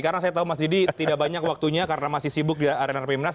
karena saya tahu mas didi tidak banyak waktunya karena masih sibuk di arena pimpinan